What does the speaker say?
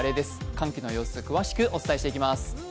歓喜の様子、詳しくお伝えしていきます。